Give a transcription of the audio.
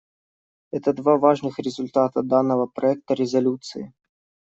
Это два важных результата данного проекта резолюции.